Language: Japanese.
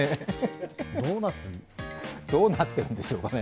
どうなっているんでしょうね。